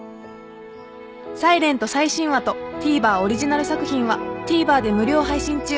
［『ｓｉｌｅｎｔ』最新話とＴＶｅｒオリジナル作品はＴＶｅｒで無料配信中］